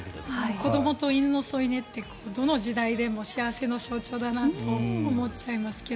子どもと犬の添い寝ってどの時代でも幸せの象徴だなと思っちゃいますけど。